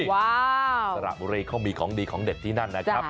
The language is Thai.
ว่าสระบุรีเขามีของดีของเด็ดที่นั่นนะครับ